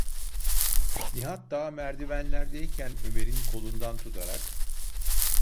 Nihat daha merdivenlerdeyken Ömer’in kolundan tutarak: